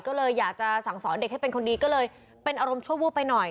ก็เลยอยากจะสั่งสอนเด็กให้เป็นคนดีก็เลยเป็นอารมณ์ชั่ววูบไปหน่อย